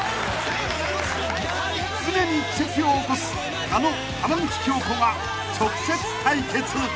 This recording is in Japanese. ［常に奇跡を起こすあの浜口京子が直接対決］